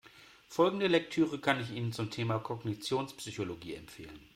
Folgende Lektüre kann ich Ihnen zum Thema Kognitionspsychologie empfehlen.